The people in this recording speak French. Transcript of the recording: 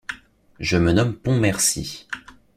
Je me nomme Pontmercy.